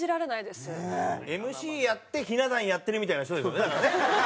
ＭＣやってひな壇やってるみたいな人ですよねだからね。